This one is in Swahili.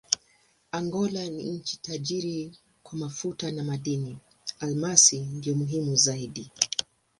Angola ni nchi tajiri kwa mafuta na madini: almasi ndiyo muhimu zaidi.